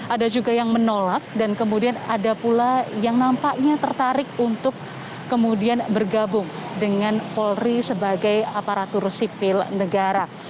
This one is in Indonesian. ada juga yang menolak dan kemudian ada pula yang nampaknya tertarik untuk kemudian bergabung dengan polri sebagai aparatur sipil negara